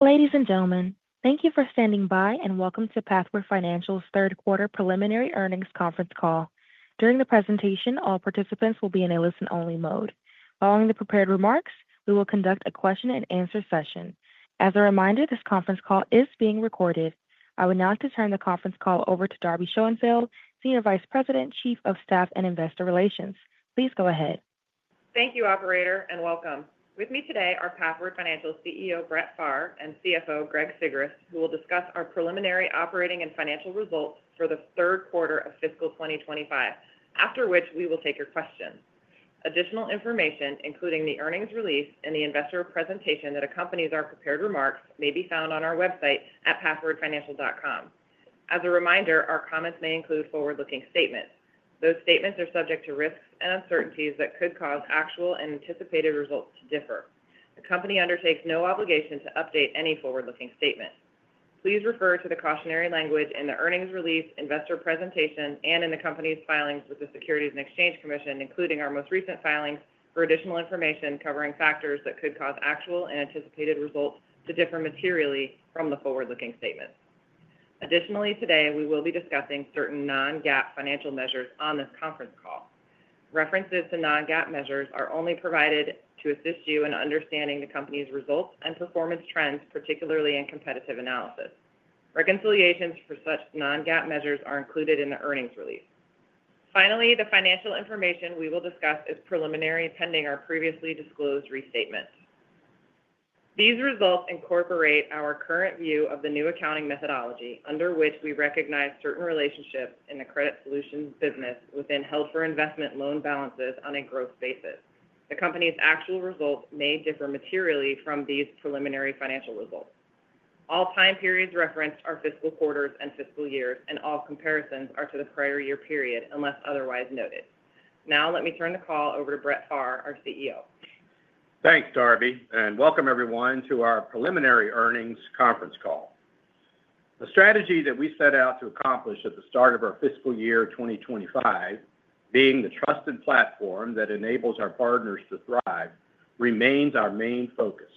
Ladies and gentlemen, thank you for standing by and welcome to Pathward Financial's third quarter preliminary earnings conference call. During the presentation, all participants will be in a listen-only mode. Following the prepared remarks, we will conduct a question-and-answer session. As a reminder, this conference call is being recorded. I would now like to turn the conference call over to Darby Schoenfeld, Senior Vice President, Chief of Staff and Investor Relations. Please go ahead. Thank you, operator, and welcome. With me today are Pathward Financial CEO Brett Pharr and CFO Greg Sigrist, who will discuss our preliminary operating and financial results for the third quarter of fiscal 2025, after which we will take your questions. Additional information, including the earnings release and the investor presentation that accompanies our prepared remarks, may be found on our website at pathwardfinancial.com. As a reminder, our comments may include forward-looking statements. Those statements are subject to risks and uncertainties that could cause actual and anticipated results to differ. The company undertakes no obligation to update any forward-looking statement. Please refer to the cautionary language in the earnings release, investor presentation, and in the company's filings with the Securities and Exchange Commission, including our most recent filings, for additional information covering factors that could cause actual and anticipated results to differ materially from the forward-looking statements. Additionally, today we will be discussing certain non-GAAP financial measures on this conference call. References to non-GAAP measures are only provided to assist you in understanding the company's results and performance trends, particularly in competitive analysis. Reconciliations for such non-GAAP measures are included in the earnings release. Finally, the financial information we will discuss is preliminary pending our previously disclosed restatement. These results incorporate our current view of the new accounting methodology, under which we recognize certain relationships in the credit solutions business within held-for-investment loan balances on a growth basis. The company's actual results may differ materially from these preliminary financial results. All time periods referenced are fiscal quarters and fiscal years, and all comparisons are to the prior year period unless otherwise noted. Now, let me turn the call over to Brett Pharr, our CEO. Thanks, Darby, and welcome everyone to our preliminary earnings conference call. The strategy that we set out to accomplish at the start of our fiscal year 2025, being the trusted platform that enables our partners to thrive, remains our main focus.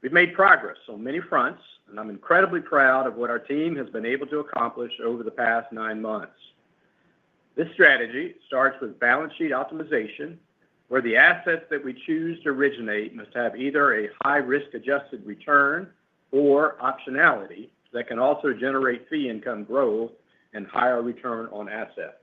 We've made progress on many fronts, and I'm incredibly proud of what our team has been able to accomplish over the past nine months. This strategy starts with balance sheet optimization, where the assets that we choose to originate must have either a high risk-adjusted return or optionality that can also generate fee income growth and higher return on assets.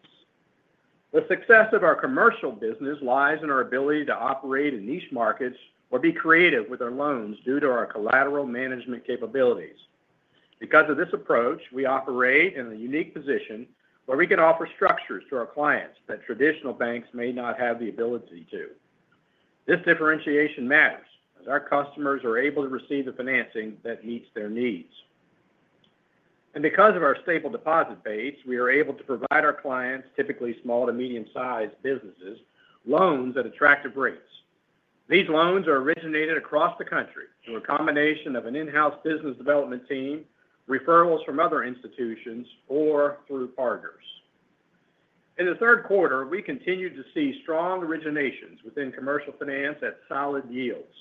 The success of our commercial business lies in our ability to operate in niche markets or be creative with our loans due to our collateral management capabilities. Because of this approach, we operate in a unique position where we can offer structures to our clients that traditional banks may not have the ability to. This differentiation matters as our customers are able to receive the financing that meets their needs. Because of our stable deposit base, we are able to provide our clients, typically small to medium-sized businesses, loans at attractive rates. These loans are originated across the country through a combination of an in-house business development team, referrals from other institutions, or through partners. In the third quarter, we continue to see strong originations within commercial finance at solid yields.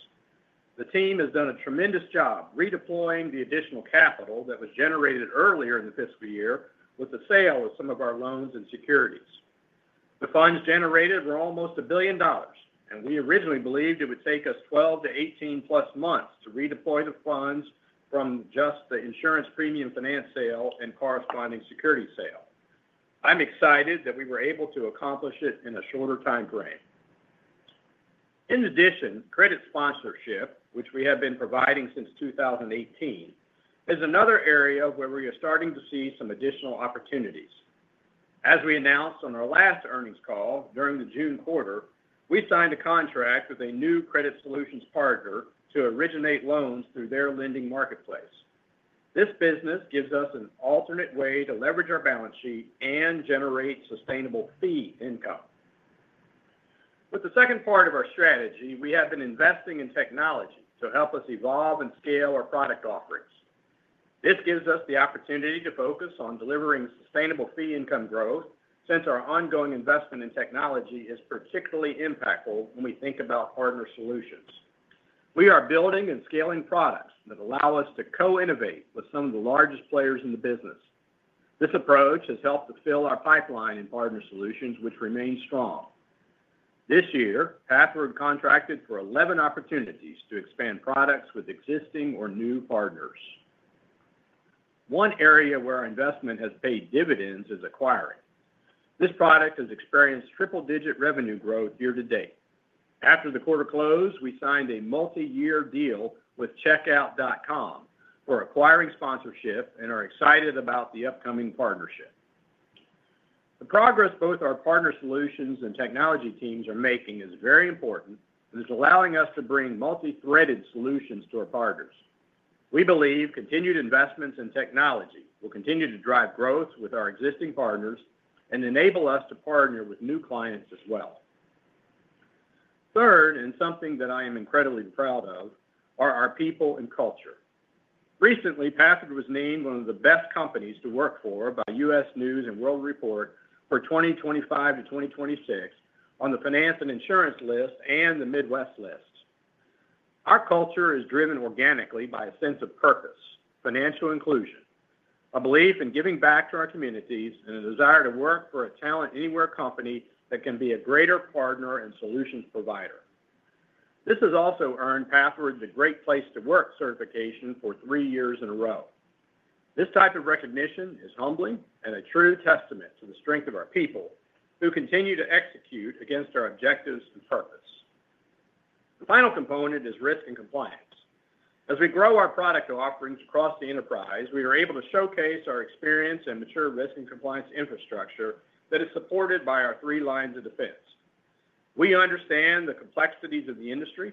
The team has done a tremendous job redeploying the additional capital that was generated earlier in the fiscal year with the sale of some of our loans and securities. The funds generated were almost $1 billion, and we originally believed it would take us 12-18+ months to redeploy the funds from just the insurance premium finance sale and corresponding security sale. I'm excited that we were able to accomplish it in a shorter time frame. In addition, credit sponsorship, which we have been providing since 2018, is another area where we are starting to see some additional opportunities. As we announced on our last earnings call during the June quarter, we signed a contract with a new credit solutions partner to originate loans through their lending marketplace. This business gives us an alternate way to leverage our balance sheet and generate sustainable fee income. With the second part of our strategy, we have been investing in technology to help us evolve and scale our product offerings. This gives us the opportunity to focus on delivering sustainable fee income growth since our ongoing investment in technology is particularly impactful when we think about partner solutions. We are building and scaling products that allow us to co-innovate with some of the largest players in the business. This approach has helped to fill our pipeline in partner solutions, which remains strong. This year, Pathward contracted for 11 opportunities to expand products with existing or new partners. One area where our investment has paid dividends is acquiring. This product has experienced triple-digit revenue growth year to date. After the quarter closed, we signed a multi-year deal with Checkout.com for acquiring sponsorship and are excited about the upcoming partnership. The progress both our partner solutions and technology teams are making is very important and is allowing us to bring multi-threaded solutions to our partners. We believe continued investments in technology will continue to drive growth with our existing partners and enable us to partner with new clients as well. Third, and something that I am incredibly proud of, are our people and culture. Recently, Pathward was named one of the best companies to work for by U.S. News & World Report for 2025 to 2026 on the finance and insurance lists and the Midwest lists. Our culture is driven organically by a sense of purpose, financial inclusion, a belief in giving back to our communities, and a desire to work for a talent anywhere company that can be a greater partner and solutions provider. This has also earned Pathward the Great Place to Work Certification for three years in a row. This type of recognition is humbling and a true testament to the strength of our people who continue to execute against our objectives and purpose. The final component is risk and compliance. As we grow our product offerings across the enterprise, we are able to showcase our experience and mature risk and compliance infrastructure that is supported by our three lines of defense. We understand the complexities of the industry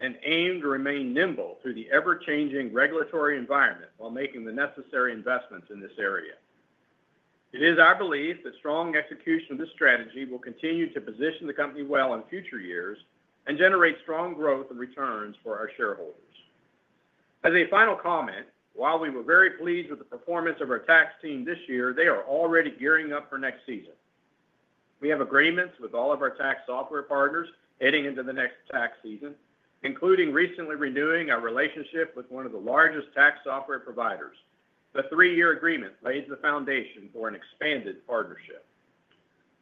and aim to remain nimble through the ever-changing regulatory environment while making the necessary investments in this area. It is our belief that strong execution of this strategy will continue to position the company well in future years and generate strong growth and returns for our shareholders. As a final comment, while we were very pleased with the performance of our tax team this year, they are already gearing up for next season. We have agreements with all of our tax software partners heading into the next tax season, including recently renewing our relationship with one of the largest tax software providers. The three-year agreement lays the foundation for an expanded partnership.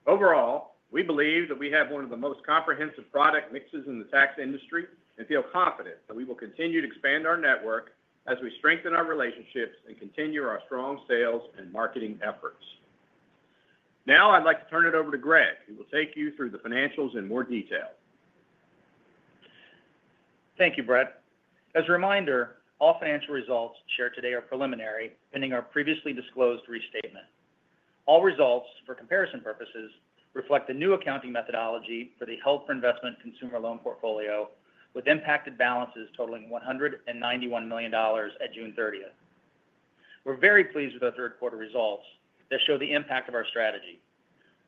Overall, we believe that we have one of the most comprehensive product mixes in the tax industry and feel confident that we will continue to expand our network as we strengthen our relationships and continue our strong sales and marketing efforts. Now, I'd like to turn it over to Greg, who will take you through the financials in more detail. Thank you, Brett. As a reminder, all financial results shared today are preliminary, pending our previously disclosed restatement. All results, for comparison purposes, reflect the new accounting methodology for the held-for-investment consumer loan portfolio with impacted balances totaling $191 million at June 30, 2024. We're very pleased with our third quarter results that show the impact of our strategy.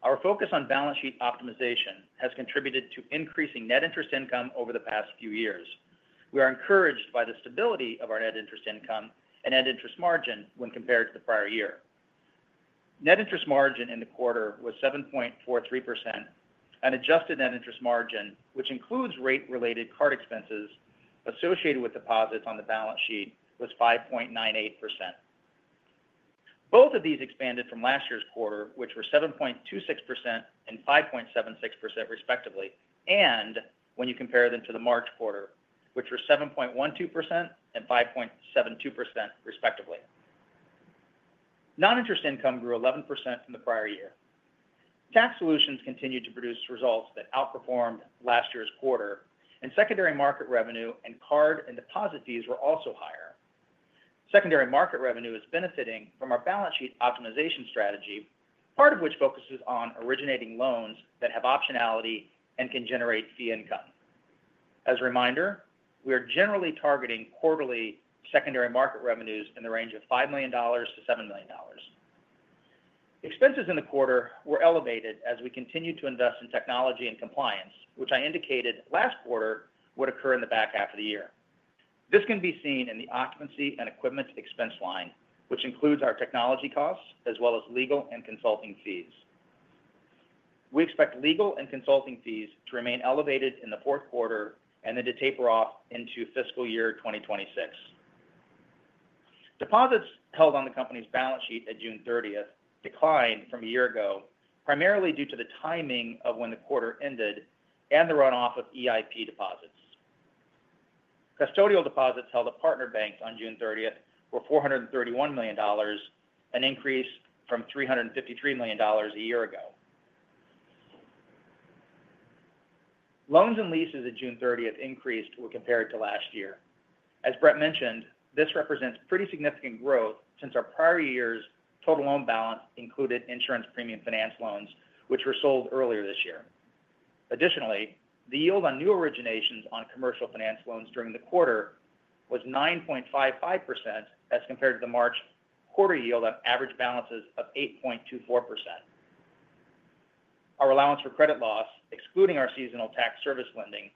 Our focus on balance sheet optimization has contributed to increasing net interest income over the past few years. We are encouraged by the stability of our net interest income and net interest margin when compared to the prior year. Net interest margin in the quarter was 7.43%, and adjusted net interest margin, which includes rate-related card expenses associated with deposits on the balance sheet, was 5.98%. Both of these expanded from last year's quarter, which were 7.26% and 5.76% respectively, and when you compare them to the March quarter, which were 7.12% and 5.72% respectively. Non-interest income grew 11% from the prior year. Tax solutions continued to produce results that outperformed last year's quarter, and secondary market revenue and card and deposit fees were also higher. Secondary market revenue is benefiting from our balance sheet optimization strategy, part of which focuses on originating loans that have optionality and can generate fee income. As a reminder, we are generally targeting quarterly secondary market revenues in the range of $5 million-$7 million. Expenses in the quarter were elevated as we continue to invest in technology and compliance, which I indicated last quarter would occur in the back half of the year. This can be seen in the occupancy and equipment expense line, which includes our technology costs as well as legal and consulting fees. We expect legal and consulting fees to remain elevated in the fourth quarter and then to taper off into fiscal year 2026. Deposits held on the company's balance sheet at June 30, 2024 declined from a year ago, primarily due to the timing of when the quarter ended and the runoff of EIP deposits. Custodial deposits held at partner banks on June 30, 2024 were $431 million, an increase from $353 million a year ago. Loans and leases at June 30, 2024 increased when compared to last year. As Brett mentioned, this represents pretty significant growth since our prior year's total loan balance included insurance premium finance loans, which were sold earlier this year. Additionally, the yield on new originations on commercial finance loans during the quarter was 9.55% as compared to the March quarter yield on average balances of 8.24%. Our allowance for credit loss, excluding our seasonal tax service lending,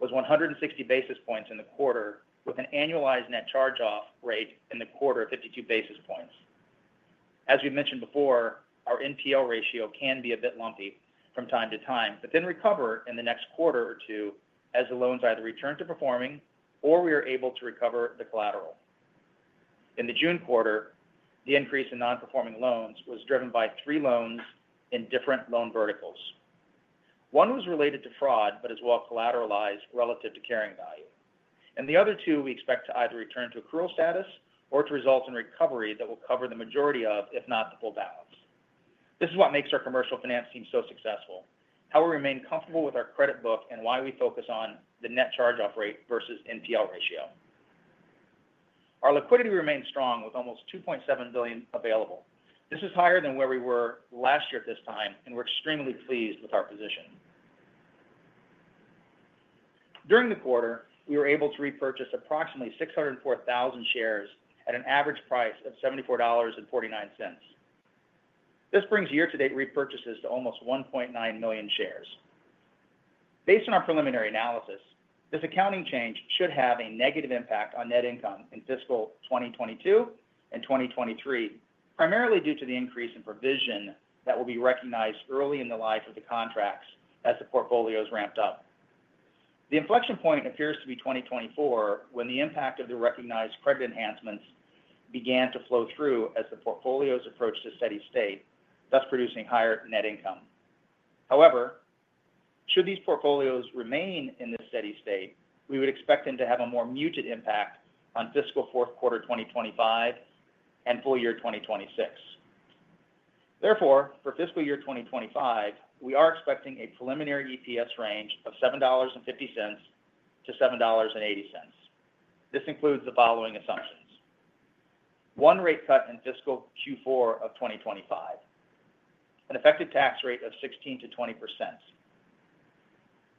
was 160 basis points in the quarter, with an annualized net charge-off rate in the quarter of 52 basis points. As we mentioned before, our NPL ratio can be a bit lumpy from time to time, but then recover in the next quarter or two as the loans either return to performing or we are able to recover the collateral. In the June quarter, the increase in non-performing loans was driven by three loans in different loan verticals. One was related to fraud, but is well collateralized relative to carrying value. The other two we expect to either return to accrual status or to result in recovery that will cover the majority of, if not the full balance. This is what makes our commercial finance team so successful, how we remain comfortable with our credit book and why we focus on the net charge-off rate versus NPL ratio. Our liquidity remains strong with almost $2.7 billion available. This is higher than where we were last year at this time, and we're extremely pleased with our position. During the quarter, we were able to repurchase approximately 604,000 shares at an average price of $74.49. This brings year-to-date repurchases to almost 1.9 million shares. Based on our preliminary analysis, this accounting change should have a negative impact on net income in fiscal 2022 and 2023, primarily due to the increase in provision that will be recognized early in the life of the contracts as the portfolios ramped up. The inflection point appears to be 2024 when the impact of the recognized credit enhancements began to flow through as the portfolios approached a steady state, thus producing higher net income. However, should these portfolios remain in this steady state, we would expect them to have a more muted impact on fiscal fourth quarter 2025 and full year 2026. Therefore, for fiscal year 2025, we are expecting a preliminary EPS range of $7.50-$7.80. This includes the following assumptions: one rate cut in fiscal Q4 of 2025, an effective tax rate of 16%-20%.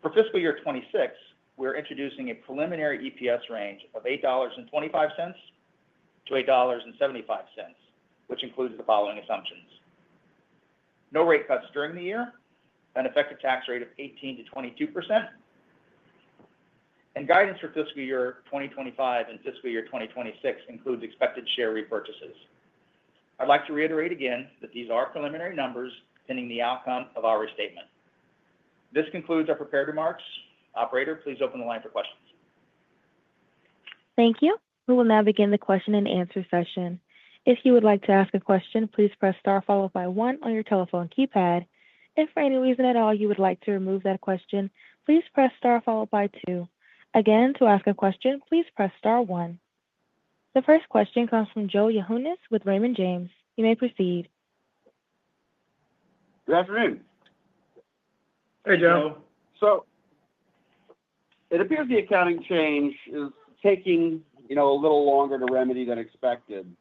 For fiscal year 2026, we're introducing a preliminary EPS range of $8.25-$8.75, which includes the following assumptions: no rate cuts during the year, an effective tax rate of 18%-22%, and guidance for fiscal year 2025 and fiscal year 2026 includes expected share repurchases. I'd like to reiterate again that these are preliminary numbers pending the outcome of our restatement. This concludes our prepared remarks. Operator, please open the line for questions. Thank you. We will now begin the question-and-answer session. If you would like to ask a question, please press star followed by one on your telephone keypad. If for any reason at all you would like to remove that question, please press star followed by two. Again, to ask a question, please press star one. The first question comes from Joe Yanchunis with Raymond James. You may proceed. Good afternoon. Hey, Joe. It appears the accounting change is taking a little longer to remedy than expected.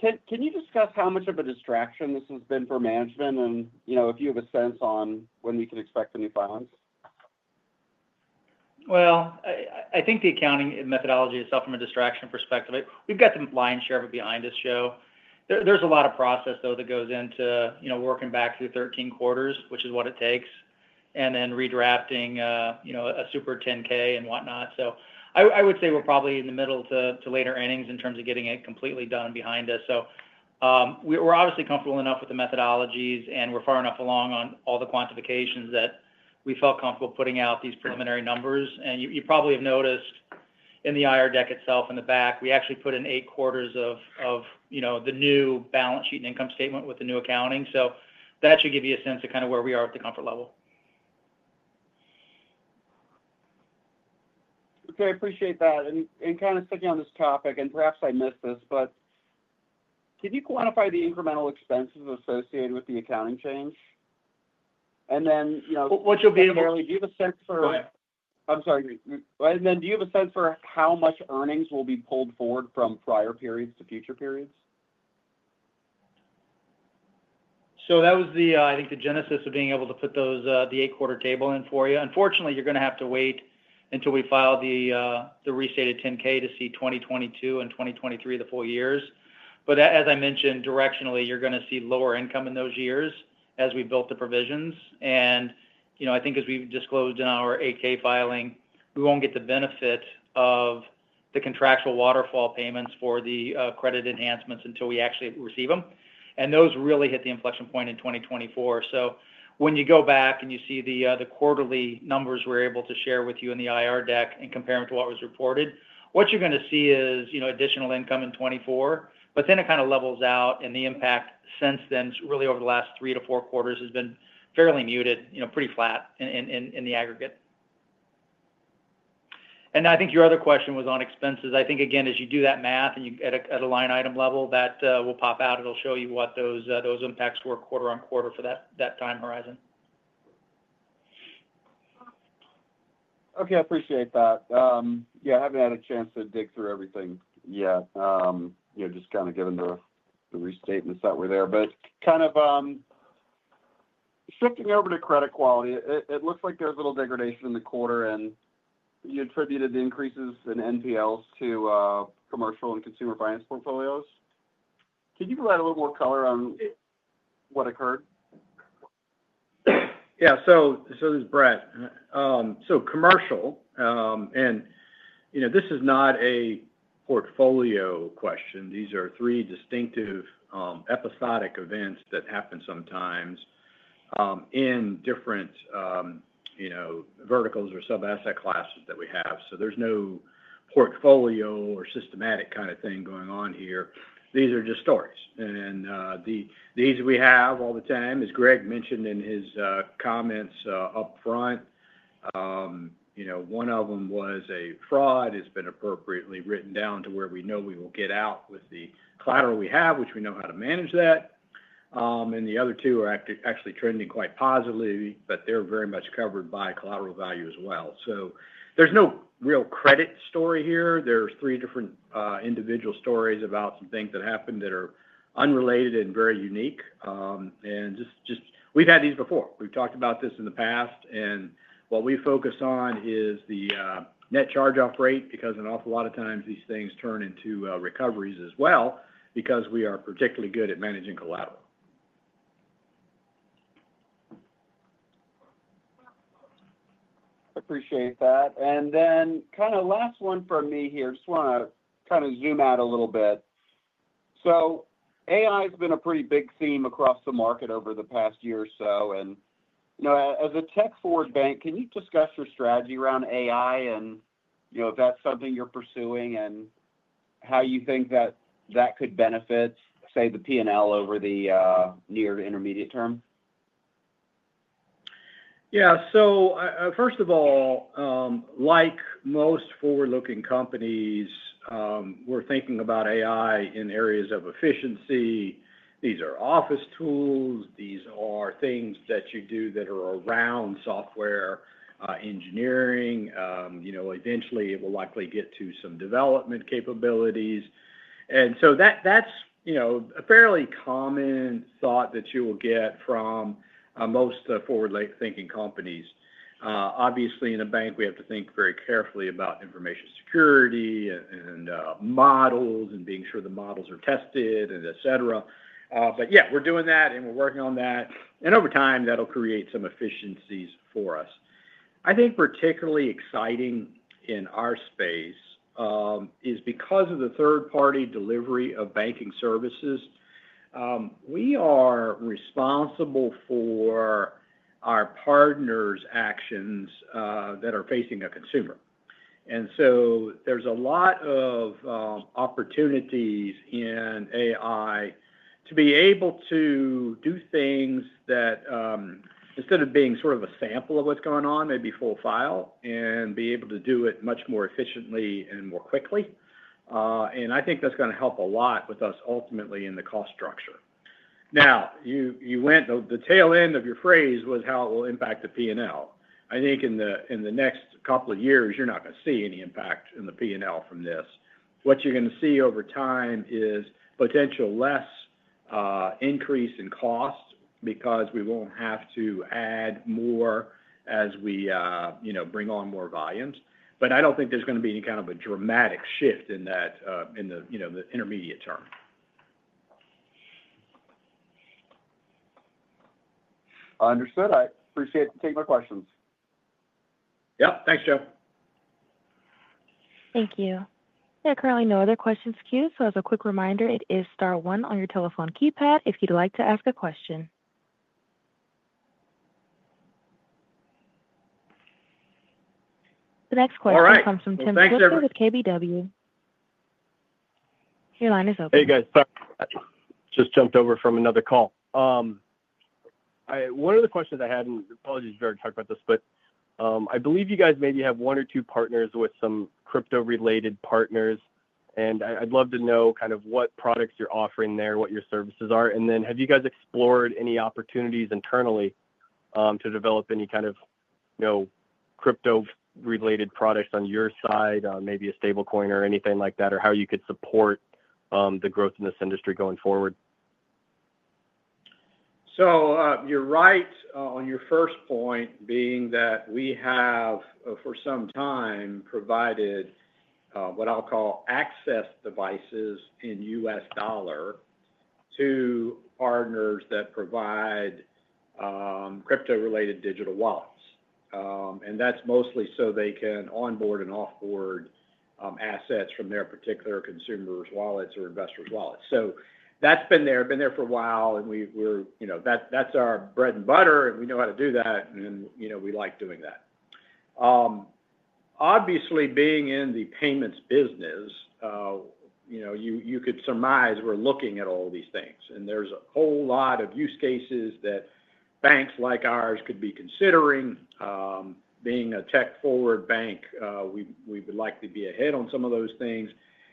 Can you discuss how much of a distraction this has been for management, and if you have a sense on when we can expect a new balance? I think the accounting methodology itself, from a distraction perspective, we've got the lion's share of it behind us, Joe. There's a lot of process that goes into working back through 13 quarters, which is what it takes, and then redrafting a super Form 10-K and whatnot. I would say we're probably in the middle to later innings in terms of getting it completely done behind us. We're obviously comfortable enough with the methodologies and we're far enough along on all the quantifications that we felt comfortable putting out these preliminary numbers. You probably have noticed in the IR deck itself in the back, we actually put in eight quarters of the new balance sheet and income statement with the new accounting. That should give you a sense of where we are at the comfort level. Okay, I appreciate that. Kind of sticking on this topic, perhaps I missed this, but can you quantify the incremental expenses associated with the accounting change? Do you have a sense for how much earnings will be pulled forward from prior periods to future periods? That was, I think, the genesis of being able to put the eight-quarter table in for you. Unfortunately, you're going to have to wait until we file the restated Form 10-K to see 2022 and 2023, the full years. As I mentioned, directionally, you're going to see lower income in those years as we built the provisions. I think as we've disclosed in our Form 8-K filing, we won't get the benefit of the contractual waterfall payments for the credit enhancements until we actually receive them. Those really hit the inflection point in 2024. When you go back and you see the quarterly numbers we're able to share with you in the IR deck and compare them to what was reported, what you're going to see is additional income in 2024, but then it kind of levels out and the impact since then really over the last three to four quarters has been fairly muted, pretty flat in the aggregate. I think your other question was on expenses. Again, as you do that math and you get at a line item level, that will pop out. It'll show you what those impacts were quarter on quarter for that time horizon. Okay, I appreciate that. I haven't had a chance to dig through everything yet, just kind of given the restatements that were there. Kind of shifting over to credit quality, it looks like there's a little degradation in the quarter and you attributed the increases in NPLs to commercial and consumer finance portfolios. Can you provide a little more color on what occurred? Yeah, this is Brett. Commercial, and you know, this is not a portfolio question. These are three distinctive episodic events that happen sometimes in different verticals or sub-asset classes that we have. There is no portfolio or systematic kind of thing going on here. These are just stories. We have these all the time. As Greg mentioned in his comments up front, one of them was a fraud that has been appropriately written down to where we know we will get out with the collateral we have, which we know how to manage. The other two are actually trending quite positively, but they are very much covered by collateral value as well. There is no real credit story here. There are three different individual stories about some things that happened that are unrelated and very unique. We have had these before. We have talked about this in the past. What we focus on is the net charge-off rate because an awful lot of times these things turn into recoveries as well because we are particularly good at managing collateral. I appreciate that. Last one from me here, I just want to zoom out a little bit. AI has been a pretty big theme across the market over the past year or so. As a tech-forward bank, can you discuss your strategy around AI and if that's something you're pursuing and how you think that could benefit, say, the P&L over the near to intermediate term? Yeah, so first of all, like most forward-looking companies, we're thinking about AI in areas of efficiency. These are office tools. These are things that you do that are around software, engineering. Eventually, it will likely get to some development capabilities. That's a fairly common thought that you will get from most forward-thinking companies. Obviously, in a bank, we have to think very carefully about information security and models and being sure the models are tested, etc. We're doing that and we're working on that. Over time, that'll create some efficiencies for us. I think particularly exciting in our space is because of the third-party delivery of banking services. We are responsible for our partners' actions that are facing a consumer. There are a lot of opportunities in AI to be able to do things that, instead of being sort of a sample of what's going on, maybe full file, and be able to do it much more efficiently and more quickly. I think that's going to help a lot with us ultimately in the cost structure. Now, you went, the tail end of your phrase was how it will impact the P&L. I think in the next couple of years, you're not going to see any impact in the P&L from this. What you're going to see over time is potential less increase in cost because we won't have to add more as we bring on more volumes. I don't think there's going to be any kind of a dramatic shift in that, in the intermediate term. Understood. I appreciate it. Take my questions. Yeah, thanks, Joe. Thank you. There are currently no other questions queued. As a quick reminder, it is star one on your telephone keypad if you'd like to ask a question. The next question comes from Tim Switzer with KBW. Your line is open. Hey, guys. Sorry, I just jumped over from another call. One of the questions I had, and apologies if you already talked about this, but I believe you guys maybe have one or two partners with some crypto-related partners. I'd love to know what products you're offering there, what your services are. Have you guys explored any opportunities internally to develop any kind of crypto-related products on your side, maybe a stable coin or anything like that, or how you could support the growth in this industry going forward? You're right on your first point, being that we have, for some time, provided what I'll call access devices in US dollar to partners that provide crypto-related digital wallets. That's mostly so they can onboard and offboard assets from their particular consumer's wallets or investor's wallets. That's been there for a while, and that's our bread and butter, and we know how to do that, and we like doing that. Obviously, being in the payments business, you could surmise we're looking at all these things. There are a whole lot of use cases that banks like ours could be considering. Being a tech-forward bank, we would like to be ahead on some of those things,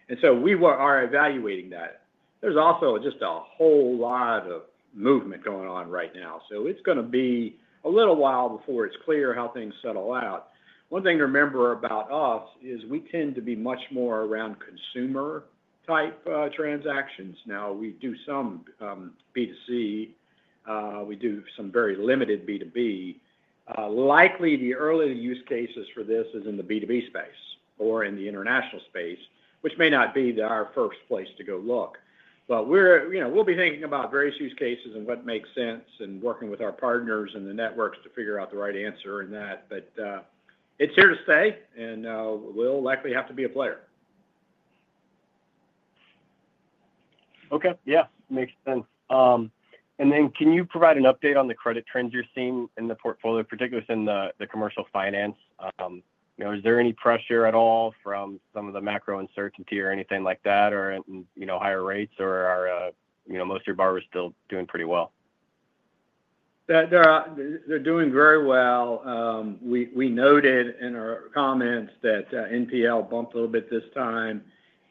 and we are evaluating that. There's also just a whole lot of movement going on right now. It's going to be a little while before it's clear how things settle out. One thing to remember about us is we tend to be much more around consumer-type transactions. We do some B2C. We do some very limited B2B. Likely, the early use cases for this are in the B2B space or in the international space, which may not be our first place to go look. We're thinking about various use cases and what makes sense and working with our partners and the networks to figure out the right answer in that. It's here to stay, and we'll likely have to be a player. Okay. Yeah, makes sense. Can you provide an update on the credit trends you're seeing in the portfolio, particularly within the commercial finance? Is there any pressure at all from some of the macro uncertainty or anything like that, or higher rates, or are most of your borrowers still doing pretty well? They're doing very well. We noted in our comments that NPL bumped a little bit this time.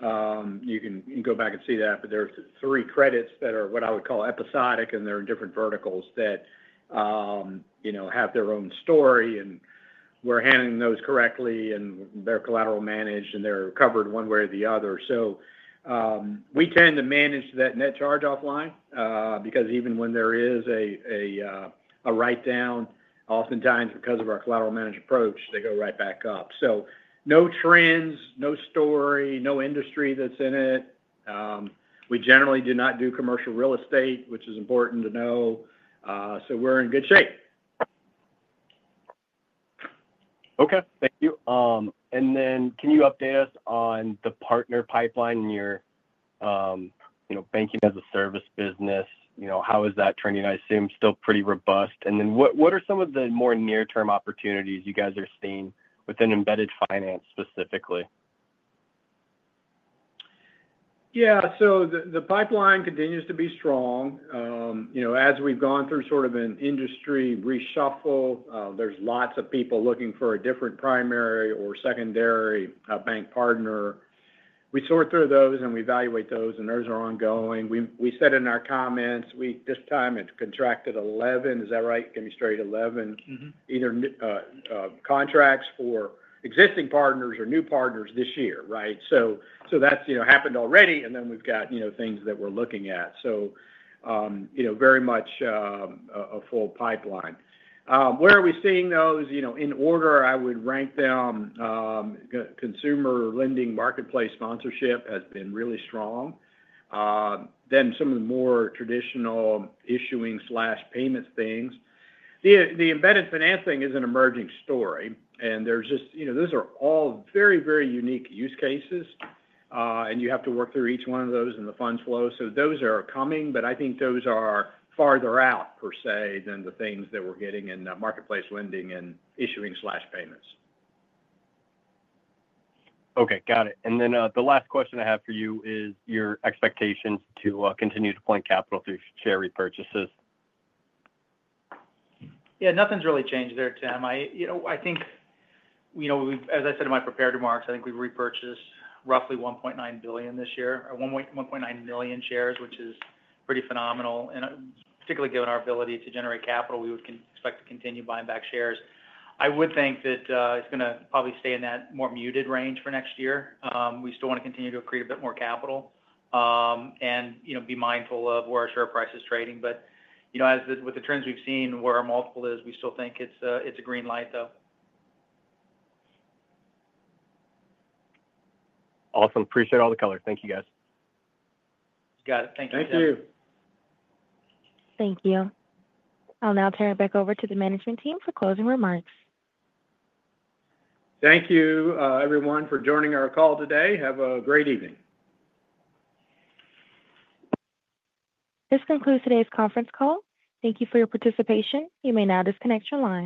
You can go back and see that, but there are three credits that are what I would call episodic, and they're in different verticals that have their own story, and we're handling those correctly, and they're collateral managed, and they're covered one way or the other. We tend to manage that net charge-off line, because even when there is a write-down, oftentimes because of our collateral management approach, they go right back up. No trends, no story, no industry that's in it. We generally do not do commercial real estate, which is important to know. We're in good shape. Okay. Thank you. Can you update us on the partner pipeline in your banking-as-a-service business? How is that trending? I assume still pretty robust. What are some of the more near-term opportunities you guys are seeing within embedded finance specifically? Yeah, so the pipeline continues to be strong. As we've gone through sort of an industry reshuffle, there's lots of people looking for a different primary or secondary bank partner. We sort through those and we evaluate those, and those are ongoing. We said in our comments, this time it contracted 11, is that right? Give me straight, 11. Either new contracts for existing partners or new partners this year, right? That's happened already, and then we've got things that we're looking at. Very much a full pipeline. Where are we seeing those? In order, I would rank them: consumer lending marketplace sponsorship has been really strong, then some of the more traditional issuing/payments things. The embedded finance thing is an emerging story, and those are all very, very unique use cases. You have to work through each one of those in the funds flow. Those are coming, but I think those are farther out per se than the things that we're getting in the marketplace lending and issuing/payments. Okay, got it. The last question I have for you is your expectations to continue to point capital through share repurchases. Yeah, nothing's really changed there, Tim. I think, as I said in my prepared remarks, we've repurchased roughly 1.9 million shares this year, which is pretty phenomenal. Particularly given our ability to generate capital, we would expect to continue buying back shares. I would think that it's going to probably stay in that more muted range for next year. We still want to continue to accrete a bit more capital and be mindful of where our share price is trading. With the trends we've seen, where our multiple is, we still think it's a green light, though. Awesome. Appreciate all the color. Thank you, guys. Got it. Thank you, Tim. Thank you. Thank you. I'll now turn it back over to the management team for closing remarks. Thank you, everyone, for joining our call today. Have a great evening. This concludes today's conference call. Thank you for your participation. You may now disconnect your line.